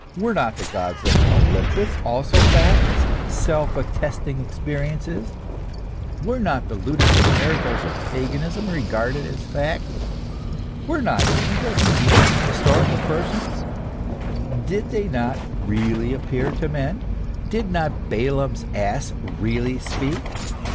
Were not the Gods of Olympus also facts, self attesting existences ?f Were not the ludicrous miracles of paganism regarded as facts ? Were not angels and demons historical persons ? Did they not really appear to men ? Did not Balaam's ass really speak?